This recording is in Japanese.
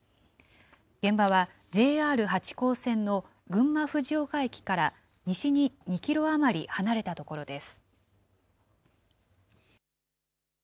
現場はＪＲ八高線の群馬藤岡駅から西に２キロ余り離れた所です。